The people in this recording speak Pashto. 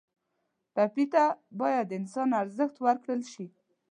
ټپي ته باید د انسان ارزښت ورکړل شي.